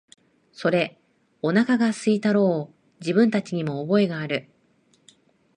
それ、おなかが空いたろう、自分たちにも覚えがある、